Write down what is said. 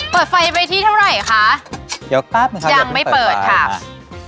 เปิดไฟไปที่เท่าไรคะเดี๋ยวก๊าบนะครับยังไม่เปิดครับ